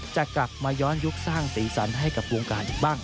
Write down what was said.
จะกลับมาย้อนยุคสร้างสีสันให้กับวงการอีกบ้าง